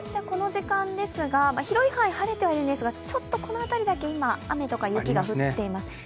この時間、広い範囲晴れてはいるんですがちょっとこの辺りだけ今、雨とか雪が降っています。